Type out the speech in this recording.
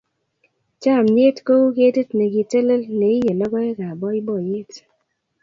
Chomnyet kou ketit ne kitelel ne iye logoekab boiboiyet.